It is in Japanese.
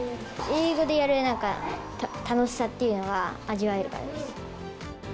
英語でやる楽しさっていうのは、味わえるからです。